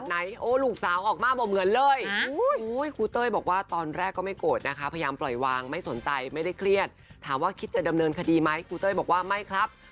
ได้รถคืนแล้วก็ได้เงินคืนนะครับ